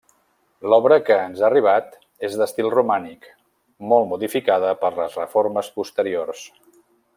L'obra que ens ha arribat és d'estil romànic, molt modificada per les reformes posteriors.